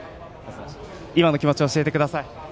今の気持ち、教えてください。